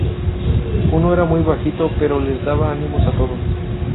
Uno era muy bajito pero les daba ánimos a todos.